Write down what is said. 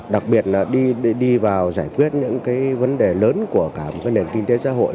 đặc biệt là đi vào giải quyết những vấn đề lớn của cả nền kinh tế xã hội